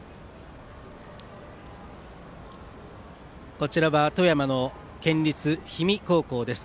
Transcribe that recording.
こちらは富山の県立氷見高校です。